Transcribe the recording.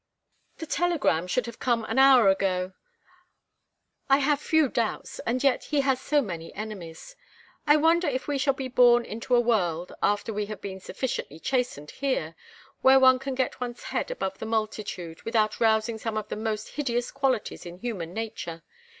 "The telegram should have come an hour ago. I have few doubts and yet he has so many enemies. I wonder if we shall be born into a world, after we have been sufficiently chastened here, where one can get one's head above the multitude without rousing some of the most hideous qualities in human nature?